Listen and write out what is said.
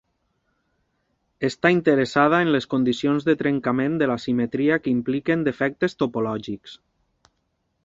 Està interessada en les condicions de trencament de la simetria que impliquen defectes topològics.